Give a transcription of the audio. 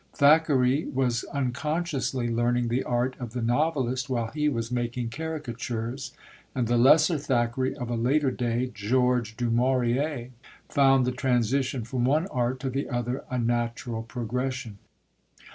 Thackeray was unconsciously learning the art of the novelist while he was making caricatures, and the lesser Thackeray of a later day George du Maurier found the transition from one art to the other a natural progression.